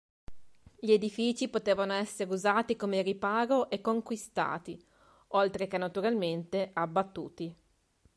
Gli edifici potevano essere usati come riparo e conquistati, oltre che, naturalmente, abbattuti.